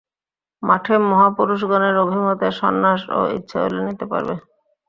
মঠে মহাপুরুষগণের অভিমতে সন্ন্যাসও ইচ্ছে হলে নিতে পারবে।